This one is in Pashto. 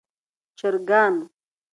چرګان